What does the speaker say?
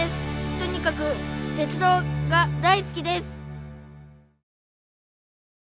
とにかく鉄道が大好きです。